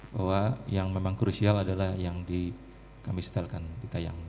bahwa yang memang krusial adalah yang di kami setelkan